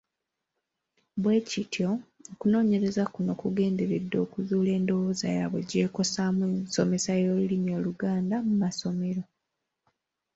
Bwe kityo okunoonyereza kuno kugenderedde okuzuula endowooza yaabwe gy’ekosaamu ensomesa y’olulimi Oluganda mu masomero.